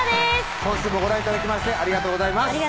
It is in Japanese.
今週もご覧頂きましてありがとうございます